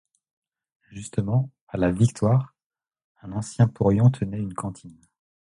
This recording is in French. Justement, à la Victoire, un ancien porion tenait une cantine.